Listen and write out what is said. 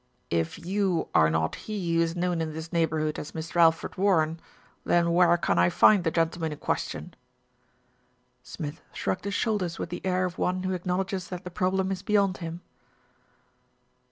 "If you are not he who is known in this neighbour hood as Mr. Alfred Warren, then where can I find the gentleman in question?" Smith shrugged his shoulders with the air of one who acknowledges that the problem is beyond him.